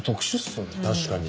確かに。